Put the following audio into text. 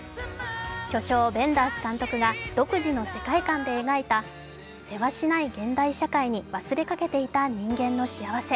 巨匠・ヴェンダース監督が独自の世界観で描いたせわしない現代社会に忘れかけていた人間の幸せ。